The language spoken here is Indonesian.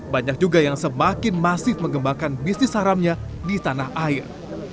banyak juga yang semakin masif mengembangkan bisnis haramnya di tanah air